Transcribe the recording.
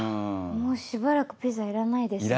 もうしばらくピザいらないですね。